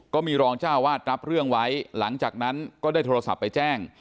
ก็มีรองเจ้าวาดรับเรื่องไว้หลังจากนั้นก็ได้โทรศัพท์ไปแจ้ง